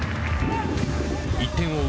１点を追う